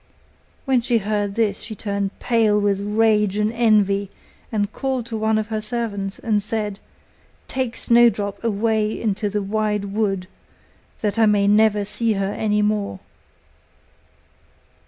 When she heard this she turned pale with rage and envy, and called to one of her servants, and said, 'Take Snowdrop away into the wide wood, that I may never see her any more.